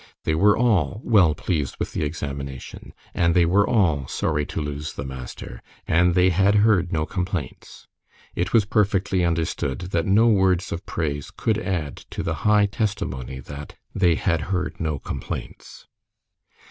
They were all well pleased with the examination, and they were all sorry to lose the master, and they had heard no complaints. It was perfectly understood that no words of praise could add to the high testimony that they "had heard no complaints."